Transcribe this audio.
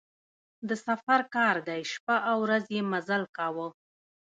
د سفر کار دی شپه او ورځ یې مزل کاوه.